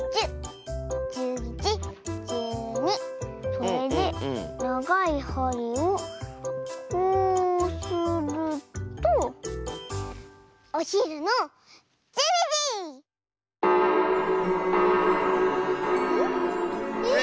それでながいはりをこうするとおひるの１２じ！え？